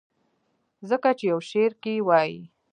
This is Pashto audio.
ځکه چې يو شعر کښې وائي :